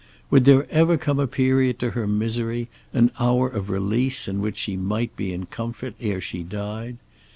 Would there ever come a period to her misery, an hour of release in which she might be in comfort ere she died?